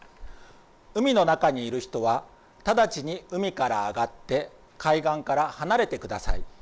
海の中にいる人は直ちに海から上がって海岸から離れてください。